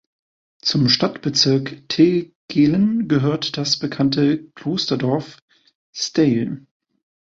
Zum Stadtbezirk Tegelen gehört das bekannte Klosterdorf Steyl.